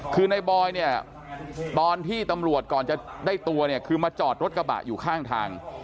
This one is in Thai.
คือในบอยเนี่ยตอนที่ตำรวจก่อนจะได้ตัวเนี่ยคือมาจอดรถกระบะอยู่ข้างทาง